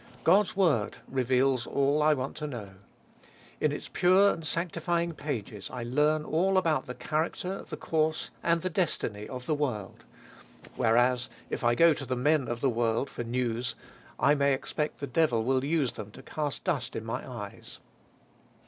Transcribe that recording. God's word reveals all I want to know. In its pure and sanctifying pages I learn all about the character, the course, and the destiny of the world; whereas, if I go to the men of the world for news, I may expect that the devil will use them to cast dust in my eyes.